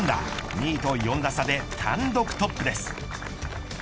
２位と４打差で単独トップです。